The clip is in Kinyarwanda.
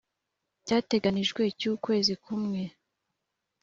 cyateganijwe cy ukwezi kumwe